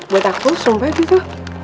buat aku sumpah gitu